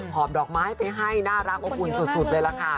หอบดอกไม้ไปให้น่ารักกว่าคุณสุดเลยละค่ะ